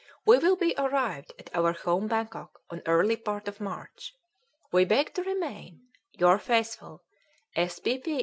"We will be arrived at our home Bangkok on early part of March. "We beg to remain "Your faithful "S. P. P.